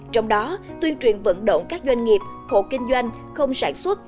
trong đó tuyên truyền vận động các doanh nghiệp hộ kinh doanh không sản xuất